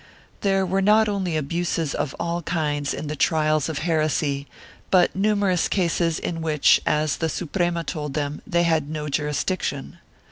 There were not only abuses of all kinds in the trials of heresy but numerous cases in which, as the Suprema told them, they had no jurisdiction.